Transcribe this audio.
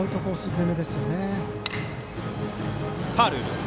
攻めですよね。